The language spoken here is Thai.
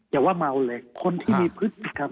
อย่าว่าเมาเลยคนที่มีพฤติกรรม